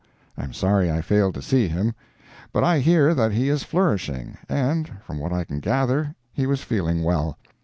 I am sorry I failed to see him. But I hear that he is flourishing, and, from what I can gather, he was feeling well.